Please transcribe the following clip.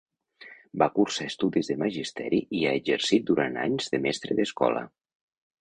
Va cursar estudis de magisteri i ha exercit durant anys de mestre d'escola.